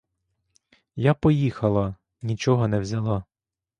Я поїхала — нічого не взяла.